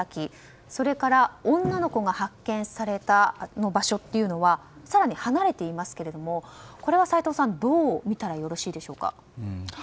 それから女の子が発見された場所というのは更に離れていますけれどもこれは斎藤さんどう見たらよろしいでしょうか。